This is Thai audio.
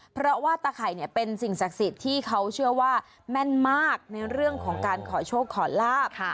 เพราะว่าตะไข่เนี่ยเป็นสิ่งศักดิ์สิทธิ์ที่เขาเชื่อว่าแม่นมากในเรื่องของการขอโชคขอลาบ